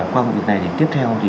qua vụ việc này thì tiếp theo thì